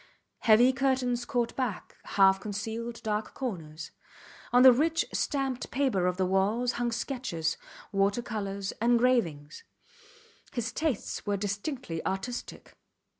Heavy curtains caught back, half concealed dark corners. On the rich, stamped paper of the walls hung sketches, water colours, engravings. His tastes were distinctly artistic.